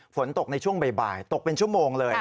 ฝนตกในช่วงบ่ายตกเป็นชั่วโมงเลย